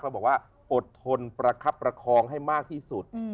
บอกว่าอดทนประคับประคองให้มากที่สุด